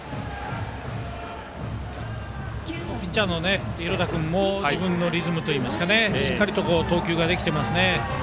ピッチャーの廣田君も自分のリズムといいますかしっかりと投球ができていますね。